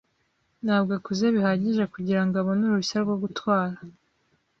Ntabwo akuze bihagije kugirango abone uruhushya rwo gutwara.